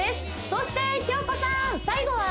そして京子さん最後は？